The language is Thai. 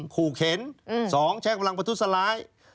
๑ขู่เข็น๒ใช้กำลังพัทธุสลาย